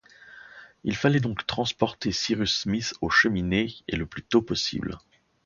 Il fallait donc transporter Cyrus Smith aux Cheminées, et le plus tôt possible